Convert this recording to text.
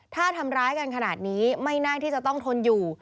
ถ้าทำร้ายกันขนาดนี้ไม่น่าที่จะต้องทนอยู่